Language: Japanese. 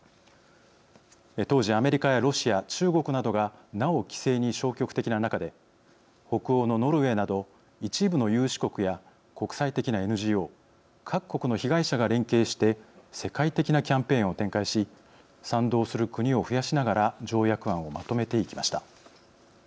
当時アメリカやロシア中国などがなお規制に消極的な中で北欧のノルウェーなど一部の有志国や国際的なＮＧＯ各国の被害者が連携して世界的なキャンペーンを展開し賛同する国を増やしながら条約案をまとめていきました。